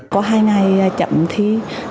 có hai ngày chấm thi